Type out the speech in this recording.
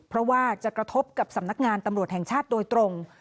เพราะว่าจะกระทบกับสำนักงานตำรวจแห่งชาติโดยตรง